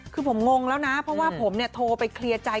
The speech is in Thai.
คือผมงงแล้วนะเพราะว่าผมเนี่ยโทรไปเคลียร์ใจ